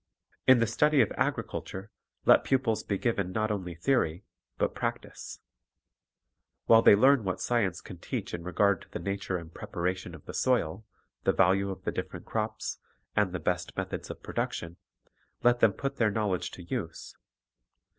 In the study of agriculture, let pupils be given not only theory, but practise. While they learn what sci ence can teach in regard to the nature and preparation of the soil, the value of different crops, and the best methods of production, let them put their knowledge to use.